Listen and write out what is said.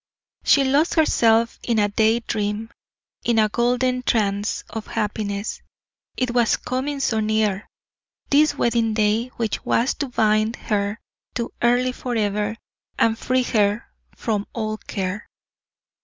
She lost herself in a day dream, in a golden trance of happiness: it was coming so near, this wedding day which was to bind her to Earle forever, and free her from all care.